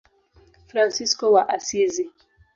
Fransisko wa Asizi.